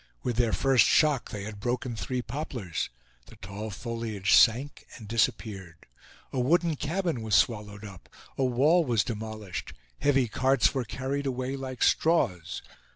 With their first shock they had broken three poplars; the tall foliage sank and disappeared. A wooden cabin was swallowed up, a wall was demolished; heavy carts were carried away like straws.